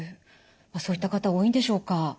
そういった方多いんでしょうか？